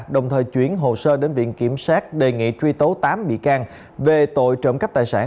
đồng thời chuyển hồ sơ đến viện kiểm sát đề nghị truy tố tám bị can về tội trộm cắp tài sản